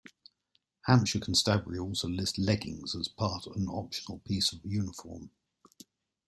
Hampshire Constabulary also list leggings as part an optional piece of uniform.